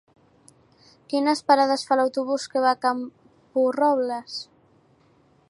Quines parades fa l'autobús que va a Camporrobles?